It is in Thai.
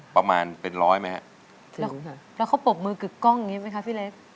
ประมาณเป็นร้อยไหมฮะแล้วเขาปรบมือกึกกล้องอย่างนี้ไหมคะพี่เล็ก